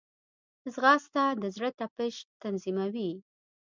ځغاسته د زړه تپش تنظیموي